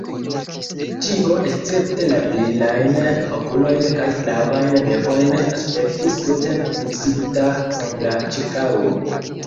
Ĉio escepte la brilajn okulojn kaj flavajn bekojn aspektis tute miksita kun la ĉirkaŭo.